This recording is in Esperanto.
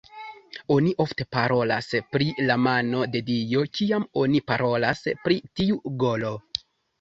Oni ofte parolas pri "la mano de dio" kiam oni parolas pri tiu golo.